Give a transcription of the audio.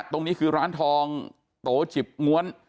ตรงนี้คือร้านทองโตจิบม้วน